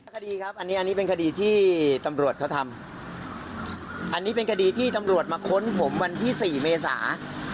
คดีครับอันนี้อันนี้เป็นคดีที่ตำรวจเขาทำอันนี้เป็นคดีที่ตำรวจมาค้นผมวันที่๔เมษา